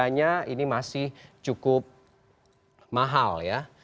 harganya ini masih cukup mahal ya